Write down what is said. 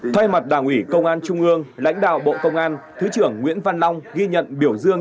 thay mặt đảng ủy công an trung ương lãnh đạo bộ công an thứ trưởng nguyễn văn long ghi nhận biểu dương